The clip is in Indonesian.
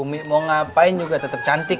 umi mau ngapain juga tetep cantik